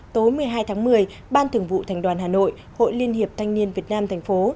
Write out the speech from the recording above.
tối một mươi hai tháng một mươi ban thưởng vụ thành đoàn hà nội hội liên hiệp thanh niên việt nam thành phố